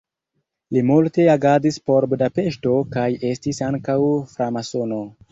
Li multe agadis por Budapeŝto kaj estis ankaŭ framasono.